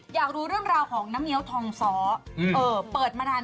อยากรู้รื่องราวของน้ำเนี๊วธองซ้าเปิดมาแล้วไกล